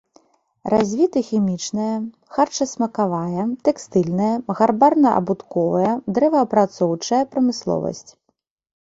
Развіты хімічная, харчасмакавая, тэкстыльная, гарбарна-абутковая, дрэваапрацоўчая прамысловасць.